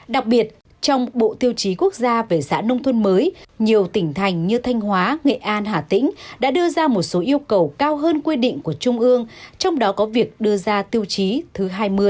đặc biệt trong bộ tiêu chí quốc gia về xã nông thôn mới nhiều tỉnh thành như thanh hóa nghệ an hà tĩnh đã đưa ra một số yêu cầu cao hơn quy định của trung ương trong đó có việc đưa ra tiêu chí thứ hai mươi